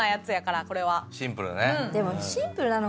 シンプルね。